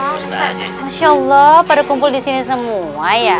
masya allah pada kumpul disini semua ya